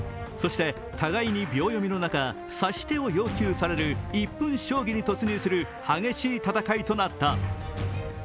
そして互いに秒読みの中、指し手を要求される一分将棋に突入する激しい戦いとなった。